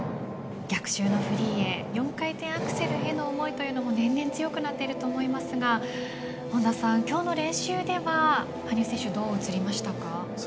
逆襲のフリーへ４回転アクセルへの思いというのも年々強くなっていると思いますが今日の練習では羽生選手どう映りましたか？